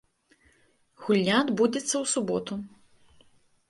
Гульня адбудзецца ў суботу.